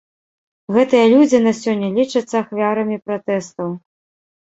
Гэтыя людзі на сёння лічацца ахвярамі пратэстаў.